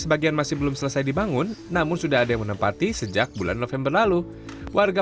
sebagian masih belum selesai dibangun namun sudah ada yang menempati sejak bulan november lalu warga